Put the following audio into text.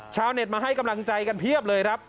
ชาวเน็ตมาให้กำลังใจกันเพียบเลยครับ